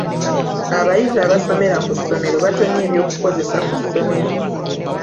Abayizi abasomera ku ssomero batonye eby'okukozesa ku ssomero.